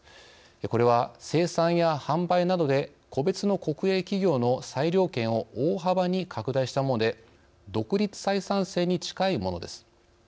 これは生産や販売などで個別の国営企業の裁量権を大幅に拡大したもので独立採算制に近いものです。